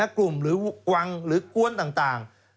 กลุ่มหรือวังหรือกวนต่าง